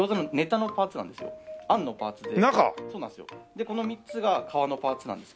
でこの３つが皮のパーツなんですけど。